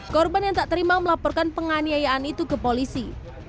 korban yang tak terima melaporkan penganiayaan itu ke polisi